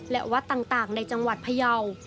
และวัดต่างในจังหวัดพยาว